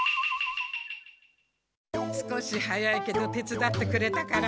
少し早いけど手つだってくれたから。